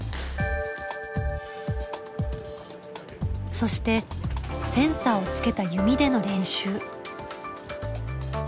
そしてセンサーをつけた弓での練習。